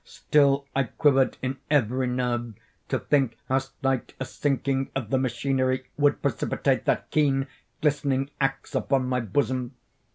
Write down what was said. Still I quivered in every nerve to think how slight a sinking of the machinery would precipitate that keen, glistening axe upon my bosom.